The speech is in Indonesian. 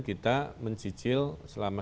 kita mencicil selama